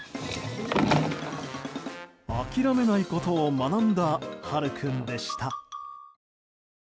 諦めないことを学んだハル君でした。